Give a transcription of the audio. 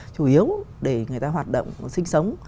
chủ yếu để người ta hoạt động sinh sống